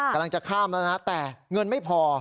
กำลังจะข้ามแล้วนะแต่เงินไม่พอ